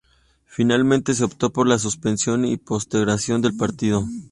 Finalmente se optó por la suspensión y postergación del partido.